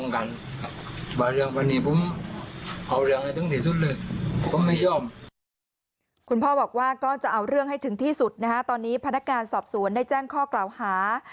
คุณพ่อบอกว่าก็จะเอาเรื่องให้ถึงที่สุดนะฮะตอนนี้พนักงานสอบสวนได้แจ้งข้อกล่าวหา